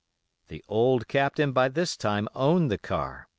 "The old Captain by this time owned the car.